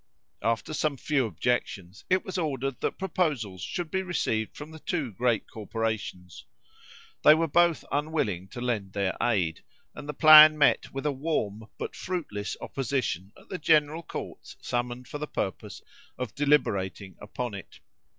After some few objections, it was ordered that proposals should be received from the two great corporations. They were both unwilling to lend their aid, and the plan met with a warm but fruitless opposition at the general courts summoned for the purpose of deliberating upon it.